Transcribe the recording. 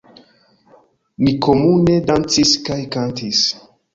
Ni komune dancis kaj kantis.